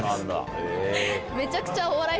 めちゃくちゃ。